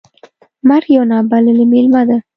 مرګ یو نا بللی میلمه ده .